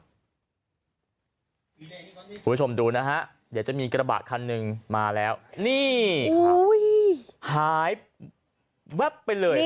คุณผู้ชมดูนะฮะเดี๋ยวจะมีกระบะคันหนึ่งมาแล้วนี่หายแวบไปเลย